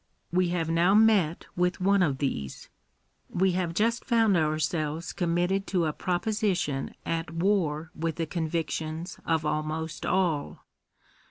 We have now met with one of these. We have just found our selves committed to a proposition at war with the convictions of almost all.